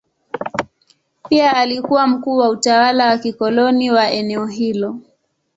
Pia alikuwa mkuu wa utawala wa kikoloni wa eneo hilo.